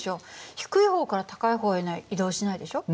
低い方から高い方には移動しないでしょ。